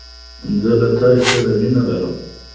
زه له تاسره مينه لرم